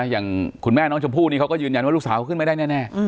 อย่างคุณแม่น้องชมพู่นี่เขาก็ยืนยันว่าลูกสาวเขาขึ้นไม่ได้แน่